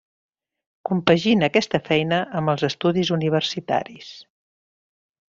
Compagina aquesta feina amb els estudis universitaris.